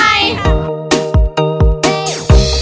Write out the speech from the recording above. กรุงเทพค่ะ